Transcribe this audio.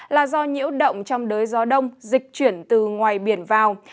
là do nhiễu động trong đới gió đông dịch chuyển từ ngoài biển vào